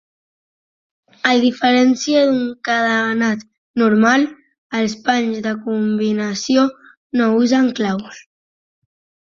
A diferència d'un cadenat normal, els panys de combinació no usen claus.